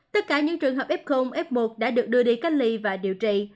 tất cả những trường hợp f f một đã được đưa đi cách ly và điều trị